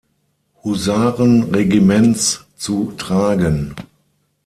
Husaren-Regiments zu tragen.